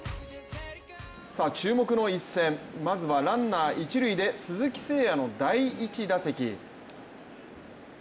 注目の一戦、まずはランナー一塁で鈴木誠也の第１打席。